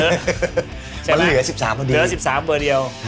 มันเหลือ๑๓เดียว